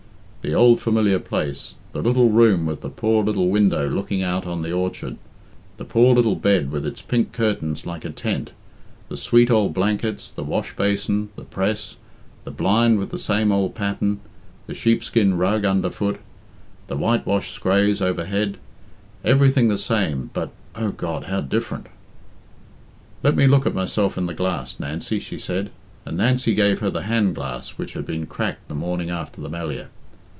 The old familiar place, the little room with the poor little window looking out on the orchard, the poor little bed with its pink curtains like a tent, the sweet old blankets, the wash basin, the press, the blind with the same old pattern, the sheepskin rug underfoot, the whitewashed scraas overhead everything the same, but, O God! how different! "Let me look at myself in the glass, Nancy," she said, and Nancy gave her the handglass which had been cracked the morning after the Melliah.